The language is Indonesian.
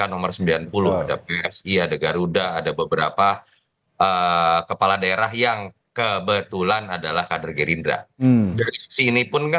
ada psi ada garuda ada beberapa kepala daerah yang kebetulan adalah kader gerindra